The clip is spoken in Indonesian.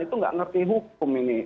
itu nggak ngerti hukum ini